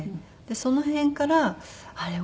その辺からあれ？